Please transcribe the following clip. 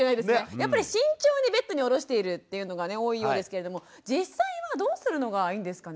やっぱり慎重にベッドにおろしているというのが多いようですけれども実際はどうするのがいいんですかね？